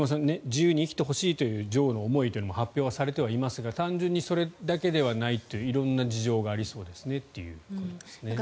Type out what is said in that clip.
自由に生きてほしいという女王の思いというのも発表されてはいますが単純にそれだけではない色んな事情がありそうですねということですね。